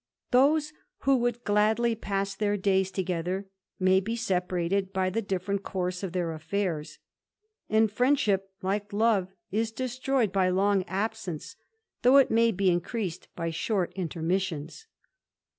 Those who would gladly pass their days together may be separated by the different course of their affairs ; and friend ship, like love, is destroyed by long absence, though it ma; be increased by short intermissions.